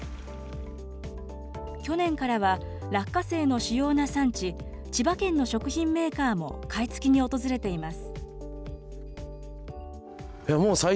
去年からは落花生の主要な産地、千葉県の食品メーカーも買い付けに訪れています。